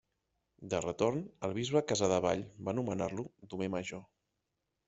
De retorn, el bisbe Casadevall va nomenar-lo domer major.